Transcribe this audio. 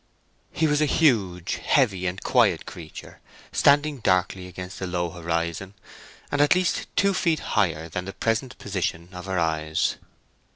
He was a huge, heavy, and quiet creature, standing darkly against the low horizon, and at least two feet higher than the present position of her eyes.